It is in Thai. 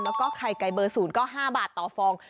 แล้วก็ไข่ไก่เบอร์๐ก็๕บาทต่อฟอง